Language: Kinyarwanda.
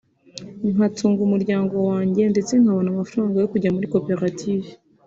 nkatunga umuryango wanjye ndetse nkabona amafaranga yo kujya muri koperative